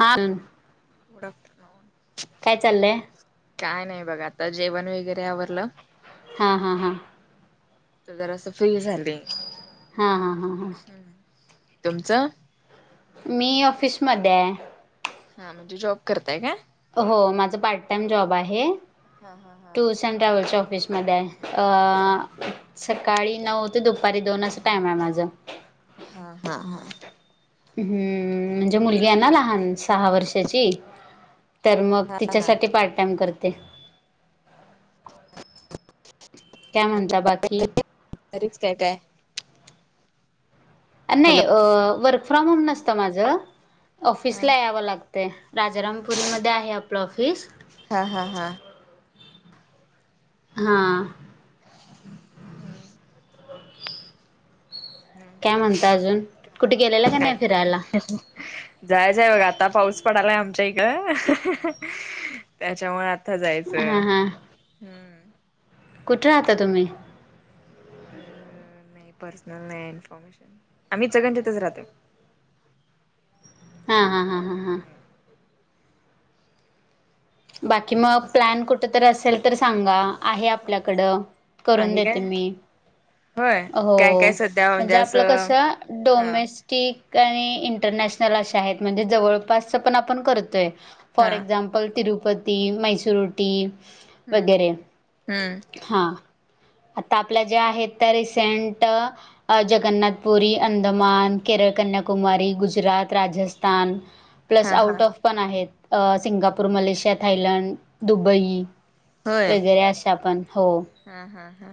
हा [unintelligible] काय चाललंय? काय नाही बघ आता जेवण वगैरे आवरलं. हा हा हा आता जरा असं फ्री झाले. हा हा हा हा तुमचं? मी ऑफिसमध्ये आहे. हा म्हणजे जॉब करताय काय? हो माझं पार्टन टाइम जॉब आहे. हा हा हा. सन ट्रॅव्हलच्या ऑफिसमध्ये आहे अ सकाळी नऊ ते दुपारी दोन अस टाइम आहे माझ. हा हा हम्म, म्हणजे मुलगी आहे ना लहान सहा वर्षाची तर मग हा हा तिच्यासाठी पार्ट टाइम करते. कय म्हणता बाकी? घरीच काय काय? हॅलो नाही वर्क फ्रॉम होम नसतं माझं ऑफिसला हा यावं लाग तय राजारामपुरीमध्ये आहे आपलं ऑफिस हा हा हा हा हम्म काय म्हणता अजून कुठे गेलेला का नाही फिरायला? जायचय बघा आता पाऊस पडलाय आमच्या इकड ह ह त्याच्यामुळे आ ता जायचं हां हम्म. कुठ राहता तुम्ही? अ नाही पर्सनल नाही इन्फॉर्मेशन आम्ही इचलकरंजीतच राहतोय. हा हा हा हा हा. बाकी मग प्लॅन कुठ तर असेल तर सांगा. आहे आपल्याकडं करून आहे देते काय मी. होय काय हो काय सध्या म्हणजे आपलं कस असं हा डोमेस स्टीक आणि इंटरनॅशनल अशा आहेत म्हणजे जवळपासच पण आपण करतोय. फॉर हा एक्झाम्पल तिरुपती, मैसुर उटी हम्म वगैरे. हम्म हा, आता आपल्या जे आहेत, त्या रिसेंट अ जगन्नाथपुरी, अंदमान, केरळ, कन्याकुमारी, गुजरात, राजस्थान प्लस हा हा आउट ऑफ पण आहेत. सिंगापूर, मलेशिया, थायलंड, दुबई होय वगैरे अशा पण, हो. हा हा हा.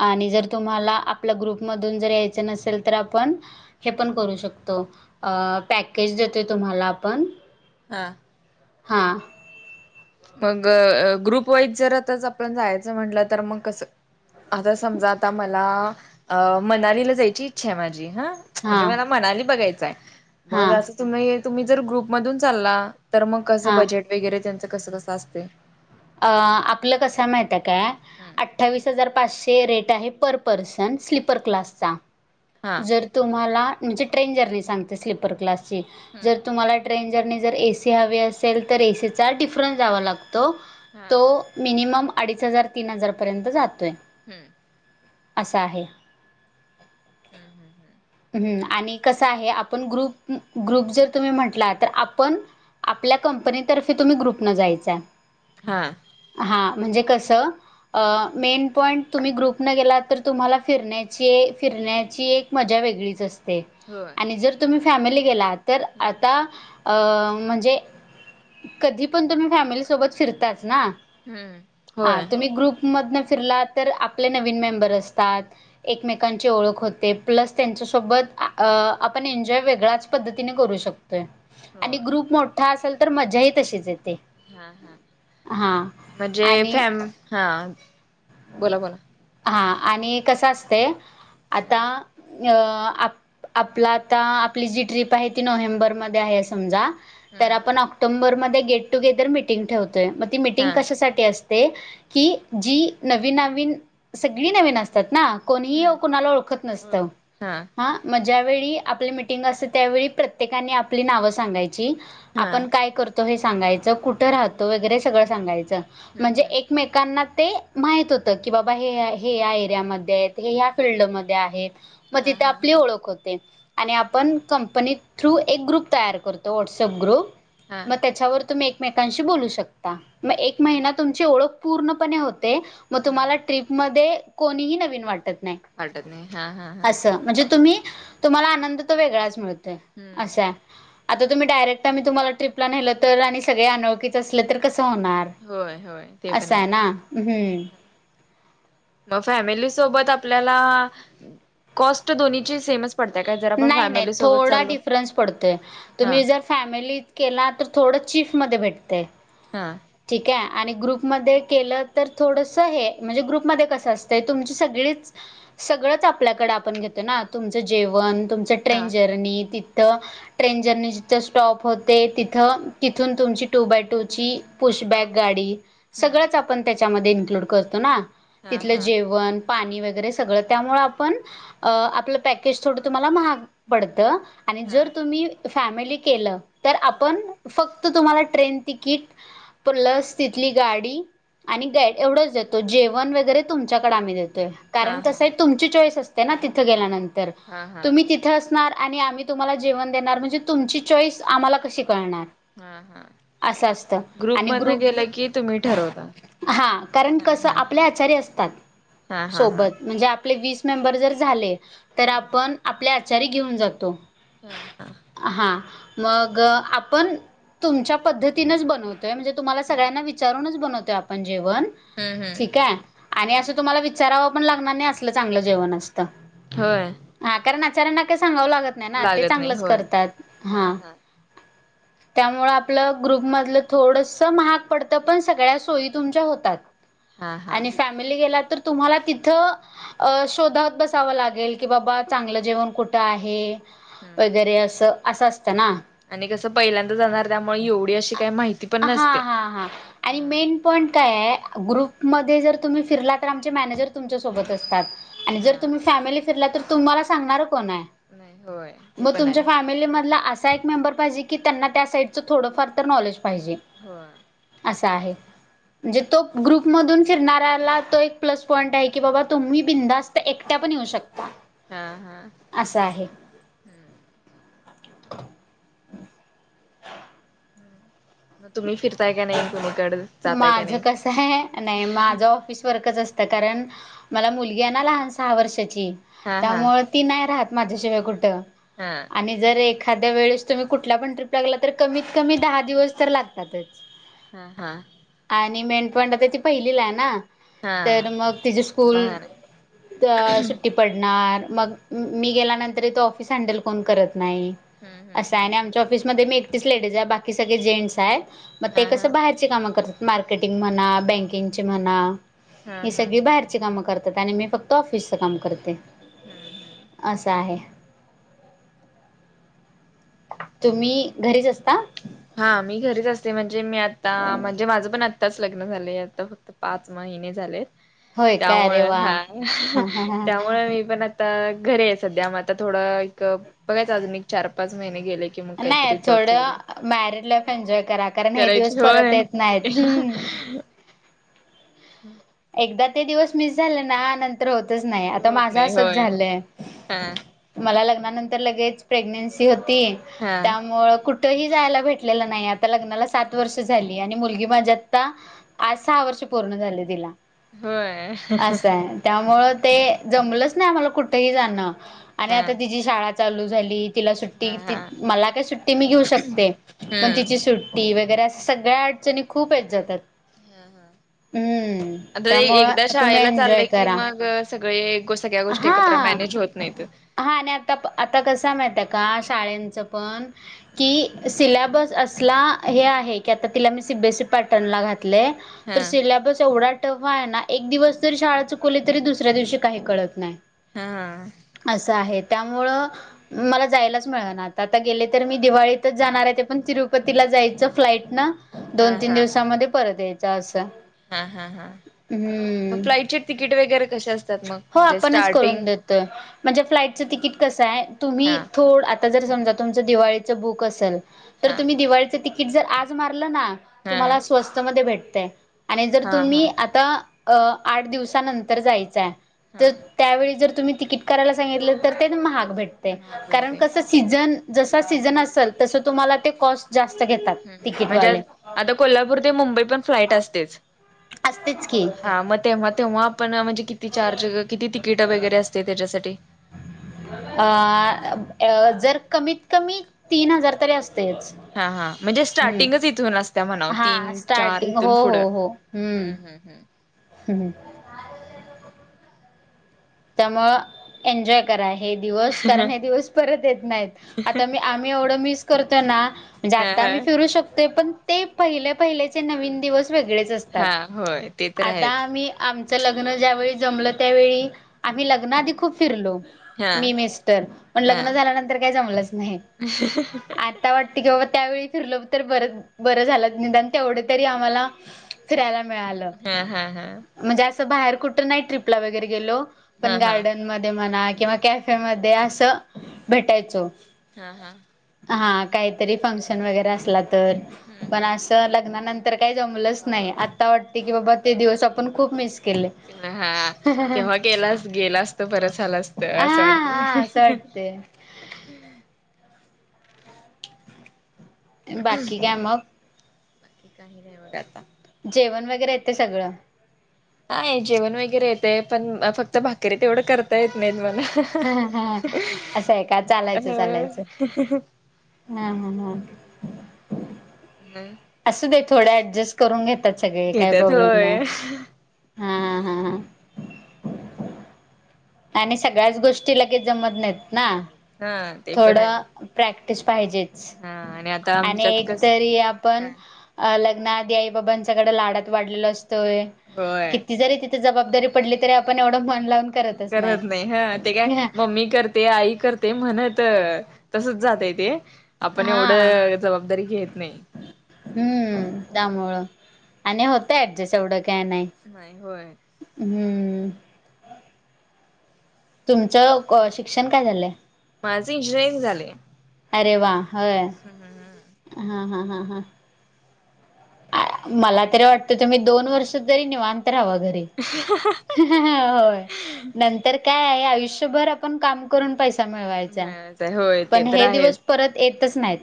आणि जर तुम्हाला आपल्या ग्रुपमधून, जर यायचं नसेल, तर आपण हे पण करू शकतो, अ पॅकेज देतोय तुम्हाला आपण हा. हां. मग ग्रुप वाईज जर, आताच आपण जायचं म्हंटल तर मग कसं? आता समजा, आता मला अ मनालीला जायची इच्छा आहे माझी हा. म्हणजे हां मला मणाली बघायचंय, मग हां असं तुम्ही तुम्ही जर ग्रुप मधून चालला तर मग कसं हां बजेट वगैरे त्यांचं कसं कसं असतय? आ आपलं कसं हाय माहिती हाय काय? हुं. अठ्ठावीस हजार पाचशे रेट आहे पर पर्सन स्लीपर हा क्लासचा. हा जर तुम्हाला म्हणजे ट्रेन जर्नी सांगते स्लीपर क्लासची. जर हम्म तुम्हाला ट्रेंजरने जर एसी हवी असेल तर, एसीचा डिफरन्स जावा लागतो हा तो मिनिमम अडीच हजार, तीन हजार पर्यंत जातोय. हुं. असा आहे. हू हू हू. हू आणि कसं आहे. आपण ग्रुप ग्रुप जर तुम्ही म्हटला, तर आपण आपल्या कंपनीतर्फे तुम्ही ग्रुप न जायच हाय. हा. हा म्हणजे कसं? अ मेन पॉईंट तुम्ही ग्रुप न गेलात, तर तुम्हाला फिरण्याची, फिरण्याची एक मजा वेगळीच असते. होय. आणि जर तुम्ही फॅमिली गेला, तर आता अ म्हणजे कधी पणं तुम्ही फॅमिली सोबत फिरताच ना? हम्म आ होय तुम्ही ग्रुपमधन फिरला तर, आपले नवीन मेंबर असतात. एकमेकांची ओळख होते. प्लस त्यांच्यासोबत आपण अ एन्जॉय वेगळ्याच पद्धतीने करू शक तोय आणि होय ग्रुप मोठा असेल, तर मजा ही तशीच येते. हा हा. हां म्हणजे आणि फॅम हा. बोला, बोला. हा आणि कस असतय, आता हा अ आप आपला आता आपली जी ट्रीप आहे, ती नोव्हेंबरमध्ये आहे समजा तर हम्म आपण ऑक्टोंबरमध्ये गेट टुगेदर मिटिंग ठेवतोय. मग ती मिटिंग हा कशासाठी अस ते की, जी नवीन नवीन, सगळी नवीन असतात ना. कोणीही, हम्म कुणाला ओळखत नसतं. हा. म ज्यावेळी आपली मिटिंग असते. त्यावेळी प्रत्येकानी आपली नावं सांगायची हा आपण काय करतो, हे सांगायचं. कुठं राहतो वगैरे सगळं सांगायचं? हम्म म्हणजे हम्म एक मेकांना ते माहित होत की, बाबा हे हम्म हे या एरियामध्ये हायत. हे ह्या फिल्डमध्ये आहेत. मग हा तिथे हा आपली हा ओळख होते. आणि आपण कंपनी थ्रू एक ग्रुप तयार करतो. व्हॉट्सअप ग्रुप हा म त्याच्यावर तुम्ही एकमेकांशी बोलू शकता. म एक हा महिना तुमची ओळख पूर्णपणे हो ते. म हा तुम्हाला ट्रिपमध्ये कोणीही नवीन वाटत वाटत नाही हा हा हा असं. म्हणजे तुम्ही, तुम्हाला आनंद तर वेगळाच मिळतो. हम्म असाय. आता तुम्ही डायरेक्ट आम्ही तुम्हाला ट्रीपला नेलं तर, आणि सग अनोळखीच असलं, तर कसं होणार. होय होय ते पन असं आय. आहे ना हम्म म फॅमिली सोबत आपल्याला कॉस्ट दोन्हीची सेमच पडत्या काय ज नाय -नाय थोडा डिफरन्स पडतोय. हा तुम्ही जर फॅमिलीत केला तर थोडं चिफमध्ये भेटतय. हा. ठीकाय आणि ग्रुपमध्ये केलं तर थोडस हे, म्हणजे ग्रुपमध्ये कसं असतंय तुमची सगळीच सगळंच आपल्याकडे आपण घेतो ना तुमचं जेवण, तुमचं हा ट्रेन जर्नी तिथं ट्रेन जर्नी जिथं स्टॉप होते तिथं तिथून तुमची टू बाय टूची पुशबॅग गाडी हम्म सगळंच आपण त्याच्यामध्ये इन्क्लूड करतो ना. हा तिथलं हा जेवण पाणी वगरे सगळं त्यामुळ आपण आपलं पॅकेज थोडं तुम्हाला महाग पडतं. आणि हा जर तुम्ही फॅमिली केलं, तर हा आपण फक्त तुम्हाला ट्रेन तिकीट प्लस तिथली गाडी आणि गाईड एवढंच देतो, जेवण वगैरे तुमच्याकड आम्ही देतोय. हा कारण कसं हा आय तुमची चॉईस असते ना तिथं गेल्यानंतर. हा हा तुम्ही तिथे असणार, आणि आम्ही तुम्हाला जेवण देणार म्हणजे तुमची चॉईस आम्हाला कशी कळणार? हा हा, असं असतं ग्रुप आणि मधन गेलं की तुम्ही ठरवता? हा, कारण हा कसं हा आपले आचार्य असतात हा हा हा सोबत म्हणजे आपले वीस मेंबर जर झाले, तर आपण आपल्या आचारी घेऊन जातो. हम्म, हा. हा मग आपण तुमच्या पद्धतीनच बनव तोय म्हणजे तुम्हाला सगळ्यांना विचारूनच बनवतोय आपण जेवण हम्म ठीकाय. आणि हम्म. असं तुम्हाला विचारावं पण लागणार नाय असलं चांगलं जेवण असतं. होय. हा कारण आचाऱ्याना काय सांगावं लागत नाय ना ते लागत नाही चांगलंच होय करतात हा. त्यामुळ आपलं ग्रुपमधलं थोडस महाग पडतं पण सगळ्या सोयी तुमच्या होतात. हा हा. आणि फॅम -मेली गेला तर तुम्हाला तिथं, अ शोधत बसाव लागेल की बाबा चांगलं जेवण कुठं आहे? हम्म वगैरे असं असं असतं ना. आणि कसं पहिल्यांदा जाणार त्यामुळ एवढी अशी काय माहिती पण नसते. हा हा. आणि हा मेन पॉईंट काय आय ग्रुपमध्ये जर तुम्ही फिरला तर आमचे मॅनेजर तुमच्यासोबत असतात. आणि जर हा तुम्ही फॅमिली फिरला तर तुम्हाला सांगणारं कोण आय? नाही होय ते मग पण तुमच्या आहे फॅमिलीमधला आस सा एक मेंबर पाहिजे की, त्यांना त्या साईडच थोडफार तर नॉलेज पाहिजे. होय. आसं आहे. म्हणजे तों ग्रुप मधून फिरणाऱ्याला तो एकं प्लसं पॉईंट हाय की बाबा तुम्ही बिनधास ऐकट्या पणं येऊ शकतात. हा हा, हम्म. तुम्हींअ फिरतायं कायं?. - [unintelligible] माझं कसं आहे, नाही माझं ऑफिस वर्कचं असच. - तं कारणं मला मुलगी आहे, नां लहानं सहा वर्षाची हा हा त्यामुळे. - तीं नाही राहातं, माझ्याशिवाय कुठं अं. - हाअ आणि जर्ं एखाद्या वेळेसं तुम्ही कुठलां पण ट्रीप गेलासं तर् कमीत- कमी दहां दिवस तर् लागतातचं. - [inaudible] आणि मेणपड तर्ं ती पहिलीला आहे नां. हा - तरं मगं तिची स्कूल लहान अ सुट्टी. - पडणार्ं मगं मीअ गेल्यानंतर त ऑफिस हँडल कोण करतं नाही. हम्म - हम्म असं नां आहे हम्म आमच्या आफीसमध्ये आणी मी एकटीचं लेडीज आहे, बाकी सगळे जेंट्स आहेत. मग ते हा हा कसं बाहेरं. - चे काम करतात, मारकेटींग म्हणा बाहेरची म्हणा. हा - हा घरची कामं करतात. आणि मी फक्तं ऑफिसच कामं करते. - हम्म्अ- हम्अं. - असंअं आहेअ. - तुम्हींअ घरीचं असतांअ. - हां मी घरीचं असते म्हणजे मी आतांअ म्हणजे माझं पणं आत्ताचं लग्न झालंय आताक्त. - पाच महिने झालेतं, होय काय अरे तयामुळे वा हां हा हा [inaudible] हा त्यामुळे मी पण. - आत घरी यायच्या, सध्याय मग आतां थोडा एक बघायचं अजून एक चार- पाच महिने गेले. - कि मगं नाही काहीतरी जॉब्सचं वगैरे. - थोडं मॅरिड लाईफ एन्जॉय करा, कारण हे दिवस होय. परतं येतं नाहीत्ं. - एकदां अ ते दिवस मिस झालं नां तर्ं. - होतचं नाही, आतां होत माझं नाही असचं होय झालंय. हा - मला लग्नानंतर लगेचं प्रेग्नेन्सी होती. हा त्यामुं कुठं. - कुठंही जायला भेटलेलं नाही, आतां लग्नाला सात वर्ष झाली आणि मुलगी माझ्या आतां. -. आजं सहा वर्ष पूर्ण झाले तिलां. - होयं. [unintelligible] - असं आहेयं त्यामुळ ते जमलंच नाही. आम्हाला कुठेही जाणं आणि हा आतां तिची शाळा. - चालू झाली तिला हा सुट्टी हा मलां काय? सुट्टी मी घेऊ शकते पणं हम्म तिची सुट्ट. - टी वगैरे असं सगळ्या अडचणी खूपं आहेत अगं जातात हूम्म्ं. - तर् एकदां शाळेला चाललंय की मगंं सगळे सगळ्या गोष्टी हा एकत्र मॅनेज होत नाहीतं. - हा आणि आतां -आतां माहित आहे कां? शाळेचं पणं. - [unintelligible] की सिलेबसं असलां. - हें आहे की आतां तिला मी C. B. S. E pattern लां घातलेय हा तर सिलेबसं एवढां. - टफं आहे नां एक दिवस जरी शाळां चुकवली तरी दुसऱ्या दिवशी काही कळतं नाही. - हां अ. असंअ आहे त्यामुळं. - मलां जायलाचं मिळ नां आता- आता गेले तर. मी दिवाळीतचं जाणार आहे ते पण तिरुपतीला जायचं फ्लांईट नां. - दोन, हा तीन दिवसामध्ये परतं यायचं असं. - हांअ -हाअ -हांअ मगं फ्लांइटचे तिकीट वगैरे कसे असतात. मग म्हणजे स्टार्टिंगं. - तर् म्हणजे फ्लांईटच तिकीट कसं आहे. तुम्ही हा थोडं. - आतां जर् समजा तुमचं दिवाळीचं बुक असेल तर हा तुम्ही दिवाळीचं तिकीट जर आज मारलं नां. - हा तुम्हाला स्वस्ता मध्ये भेटतयं आणि जर् हा हा तुम्ही आतां. - अं आठ दिवसानंतर जायचंय तर्ं. हा - त्यावेळी जर् तुम्ही तिकीटं करायला सांगितलं तर् ते महाग भेटते महाग कारण पडते कसं. हम्म - सीझन जसा सीझन असेल तसं तुम्हाला ते कॉस्ट जास्त घेतात. तिकीटवाले म्हणजे कोल्हापूर ते मुंबई पण फ्लाईट असतेच असतेच. की हा मग तेव्हा तेव्हा आपण म्हणजे किती चार्ज किती तिकिट वगैरे असते त्याच्यासाठी [inaudible] अ जर कमीत कमी तीन हजार तरी असतेच. हा हा म्हणजे हम्म स्टार्टिंगच इथून असत्या म्हणा हा तीन, चार स्टार्टिंग इथून हो पुढं हो हम हम. हम. त्यामुळ एन्जॉय करा हे दिवस कारण हे दिवस परत येत नाहीत. आता मी आम्ही एवढं मिस करतो ना, म्हणे हा आता हा आम्ही शकते. पण ते पहिले पहिल्याचे नवीन दिवस वेगळेच असतात हा होय ते तर आता आहेच आम्ही आमचं लग्न ज्यावेळी जमलं त्यावेळी आम्ही लग्नाआधी खूप फिरलो. हा मिस्टर पण हा लग्न झाल्यानंतर जमलंच नाही आ वाटत की बाबा त्यावेळी फिरलं तर बर बरं झालं निधन आणि तेवढं तरी आम्हाला फिरायला मिळालं हा हा हा म्हणजे असं बाहेर कुठं नाही ट्र्रीपला वगैरे गेलो. पण हा हा गार्डन मध्ये म्हणा किंवा कॅफे म असं भेटायचो. हा.. हा.. हा काहीतरी फंक्शन वगैरे असला तर हम्म पण हम्म अस लग्नानंतर तर काही जमलंच नाही आता वाटते की बाबा ते दिवस आपण खूप मिस केले. हा तेव्हा, गेला गेला असत परत झाला असत हा असं हा असं वाटत. वाटते बाकी काय मग बाकी काही नाही बघा आता जेवण वगैरे येत ते सगळं. हा जेवण वगैरे येते पण फक्त भाकरी तेवढं करता येत नाहीत मला हा हा असं का चालायचं अ हा ह ह. हम्. असू दे थोडे ऍडजस्ट करून घेतात सगळे काही घेत्यात प्रॉब्लेम नाही होय. हा ह. आणि सगळ्याच गोष्टी लगेच जमत नाहीत. ना नाही हा ते पण थोडं आहे. प्रॅक्टिस पाहिजेच हा आणि आता आणि आमच्यात एक कस तरी आपण हा अ लग्नाआधी आई बाबांच्या कडे लाडात वाढलेल असतोय होय. किती जरी ते जबाबदारी पडली तरी आपण एवढं मन लावून करत करत नाही ह ते काय मम्मी कर ते आई करते म्हणत तसच जातय ते. आपण हा एवढं जबाबदारी घेत नाही. हम्म त्यामुळं आणि होतं ऍडजस्ट एवढं काय नाही. नाही होय. हम्म. तुमचं शिक्षण काय झालंय. माझं इंजिनिअरिंग झालंय. अरे वा हय हा हा हा हा.... मला तरी वाटतं तुम्ही दोन वर्ष तरी निवांत राहावा घरी ह.. होय नंतर काय आहे आयुष्यभर आपण काम करून पै- त मिळवायचा, मिळायच आहे होय ते पण तर हे आहेच दिवस, परत येतच नाहीत,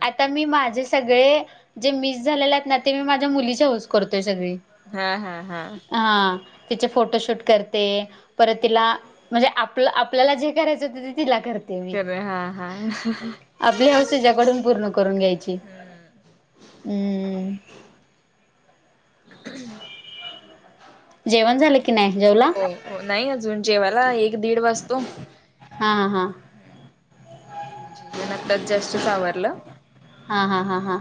आ तर मी माझे सगळे, जे मिस झालेले आहेत ना, ते मी माझ्या मुलीची हाऊस करतोय, सगळी. हां हां हं. हां, तिचे फोटोशूट करते परत तिला, म्हणजे आपल-आपल्याला, जे करायचं व्हतं, ते तिला करते. मी. खरंय, हां हां ह्हणं हं. आपली हाऊस तीच्याकडून, पूर्ण करून घ्यायची, हम्म. जेवण झालं की नाही? जेवला? हो हो, नही अजून, जेवा्ला, एक दीड वाजतो. हा हा हा आता जस्टच आवरलं. हां हां हां हां.